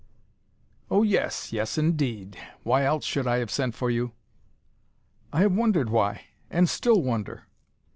"Oh, yes, yes, indeed. Why else should I have sent for you?" "I have wondered why and still wonder."